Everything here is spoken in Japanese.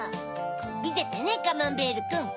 みててねカマンベールくん。